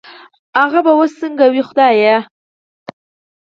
هغه به وس سنګه وي خدايه